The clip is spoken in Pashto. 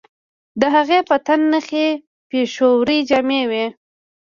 د هغې په تن نخي پېښورۍ جامې وې